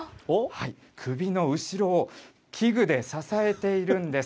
首の後ろを器具で支えているんです。